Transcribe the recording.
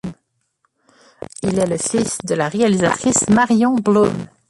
Il est le fils de la réalisatrice Marion Bloem.